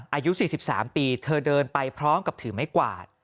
อายุ๔๓ปีเธอเดินไปพร้อมกับถือไม้กวาด